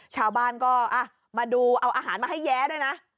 ชาวบ้านก็มาดูเอาอาหารมาให้แย้ด้วยนะ